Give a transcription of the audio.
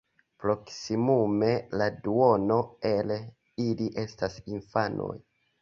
Proksimume la duono el ili estas infanoj.